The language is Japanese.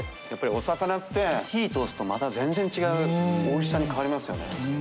お魚って火通すと全然違うおいしさに変わりますよね。